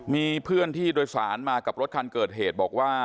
มีเพื่อนที่โดยสารมากับรถคันเกิดเหตุบอกว่า